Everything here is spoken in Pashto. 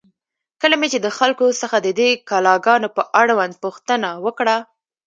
کله مې چې د خلکو څخه د دې کلا گانو په اړوند پوښتنه وکړه،